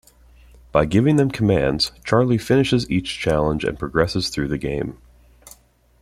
By giving them commands Charlie finishes each challenge and progresses through the game.